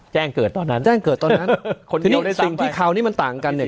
แจ้งเกิดตอนนั้นใช่เกิดตอนนั้นสิ่งที่ค่านี้มันต่างกันเนี้ย